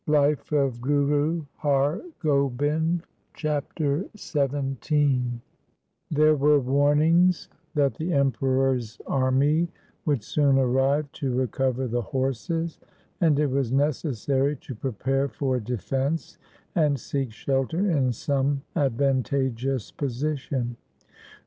LIFE OF GURU HAR GOBIND 179 Chapter XVII There were warnings that the Emperor's army would soon arrive to recover the horses, and it was necessary to prepare for defence and seek shelter in some advantageous position.